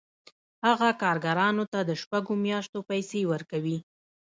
هغه کارګرانو ته د شپږو میاشتو پیسې ورکوي